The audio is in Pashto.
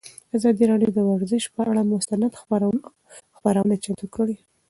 ازادي راډیو د ورزش پر اړه مستند خپرونه چمتو کړې.